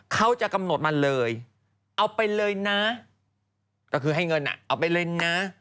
เขาจะกำหนดมาเลยเอาไปเลยนะก็คือให้เงินอ่ะเอาไปเล่นนะ